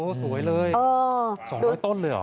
สวยเลย๒๐๐ต้นเลยเหรอ